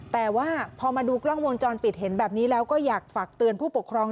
แต่ว่าพอมาดูกล้องวงจรปิดเห็นแบบนี้แล้วก็อยากฝากเตือนผู้ปกครอง